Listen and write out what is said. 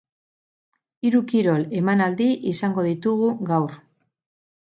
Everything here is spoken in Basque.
Hiru kirol emanaldi izango ditugu gaur.